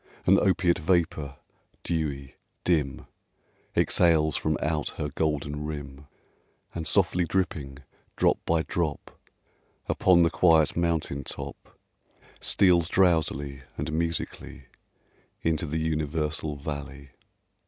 An opiate vapor, dewy, dim, Exhales from out her golden rim, And, softly dripping, drop by drop, Upon the quiet mountain top, Steals drowsily and musically Into the universal valley.